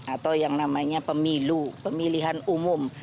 atau yang namanya pemilu pemilihan umum